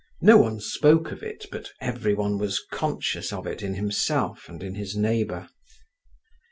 No one spoke of it, but every one was conscious of it in himself and in his neighbour.